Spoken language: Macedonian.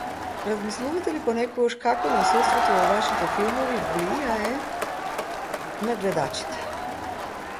Размислувате ли понекогаш како насилството во вашите филмови влијае на гледачите?